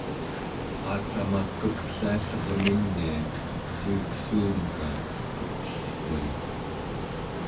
aatama kepliallerminia ciuksuunka kepellrui